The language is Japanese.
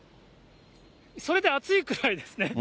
それで暑いくらいですね。